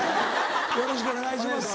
よろしくお願いします。